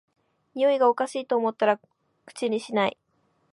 においがおかしいと思ったら口にしない